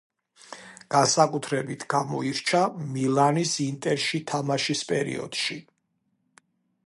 განსაკუთრებით გამოირჩა მილანის „ინტერში“ თამაშის პერიოდში.